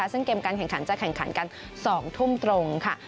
ซึ่งเกมการแข่งขันจะแข่งขันกัน๒ทุ่มตรงค่ะ